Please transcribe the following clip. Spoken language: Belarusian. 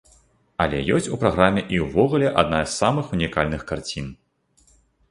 Але ёсць у праграме і ўвогуле адна з самых унікальных карцін.